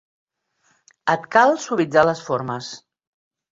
Et cal suavitzar les formes.